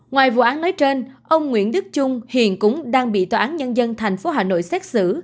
ngoài vụ án nói trên ông nguyễn đức trung hiện cũng đang bị tòa án nhân dân tp hà nội xét xử